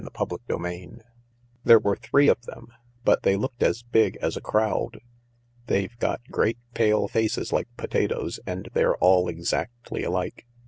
CHAPTER XXI " There were three of them, but they looked as big as a crowd. They've got great, pale faces like potatoes, and they're all exactly alike.